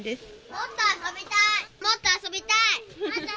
もっと遊びたい。